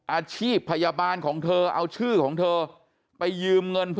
อาชีพพยาบาลของเธอเอาชื่อของเธอไปยืมเงิน